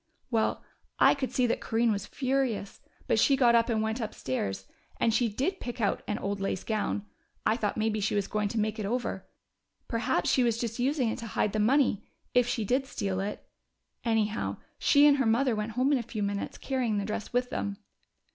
"Well, I could see that Corinne was furious, but she got up and went upstairs. And she did pick out an old lace gown I thought maybe she was going to make it over. Perhaps she was just using it to hide the money, if she did steal it.... Anyhow, she and her mother went home in a few minutes, carrying the dress with them."